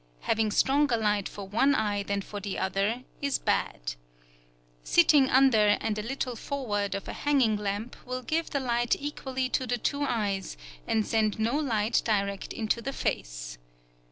Having stronger light for one eye than for the other is bad. Sitting under and a little forward of a hanging lamp will give the light equally to the two eyes and send no light direct into the face.